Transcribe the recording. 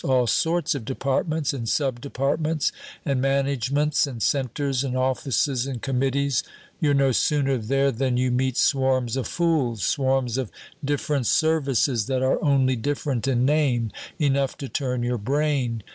All sorts of departments and sub departments and managements and centers and offices and committees you're no sooner there than you meet swarms of fools, swarms of different services that are only different in name enough to turn your brain.